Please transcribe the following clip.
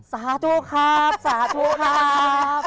สาธุครับสาธุครับ